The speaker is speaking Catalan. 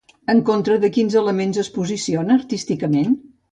En contra de quins elements es posiciona artísticament?